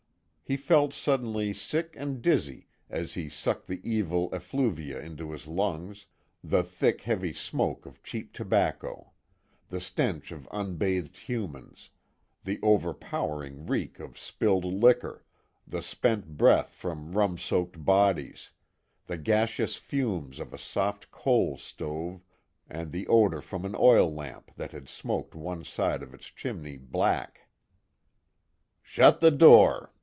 He felt suddenly sick and dizzy as he sucked the evil effluvia into his lungs the thick, heavy smoke of cheap tobacco, the stench of unbathed humans, the overpowering reek of spilled liquor, the spent breath from rum soaked bodies, the gaseous fumes of a soft coal stove, and the odor from an oil lamp that had smoked one side of its chimney black. "Shut the door!